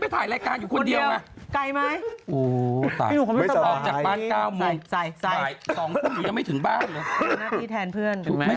ถ้าเบลหนุ่มถึงบ้านเลย